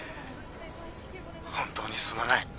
本当にすまない。